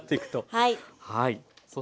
はい。